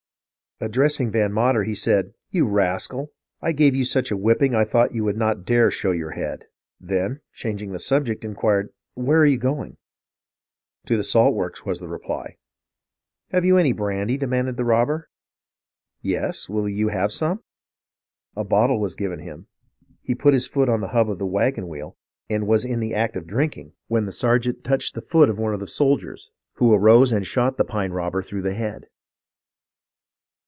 Addressing Van Mater he said :—"* You rascal ! I gave you such a whipping I thought you would not dare show your head.' Then, changing the subject, inquired, 'Where are you going?' "' To the salt works,' was the reply. "' Have you any brandy }' demanded the robber. "' Yes. Will you have some }' "A bottle was given him ; he put his foot on the hub of the wagon wheel, and was in the act of drinking when the 276 IIISruRV OF THE AMERICAN REVOLUTION sergeant touched the foot of one of the soldiers, who arose and shot the pine robber through the head.